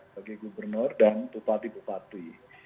bagi gubernur dan bupati bupati